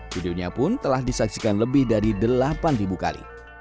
video nya pun telah disaksikan lebih dari delapan kali